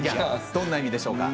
どんな意味でしょうか？